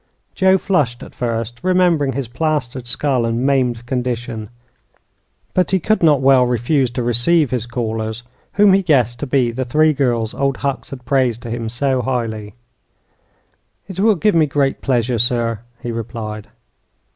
Joe flushed at first, remembering his plastered skull and maimed condition. But he could not well refuse to receive his callers, whom he guessed to be the three girls Old Hucks had praised to him so highly. "It will give me great pleasure, sir," he replied.